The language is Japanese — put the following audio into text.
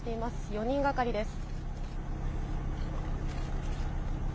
４人がかりです。